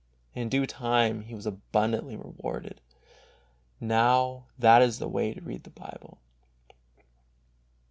In due time he was abundantly rewarded. Now, that is the way to read the Bible.